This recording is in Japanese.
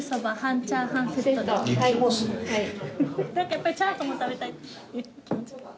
やっぱりチャーハンも食べたい。